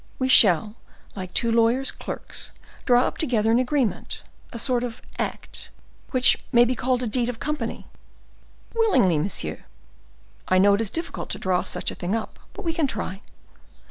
We shall, like two lawyers' clerks, draw up together an agreement, a sort of act, which may be called a deed of company." "Willingly, monsieur." "I know it is difficult to draw such a thing up, but we can try."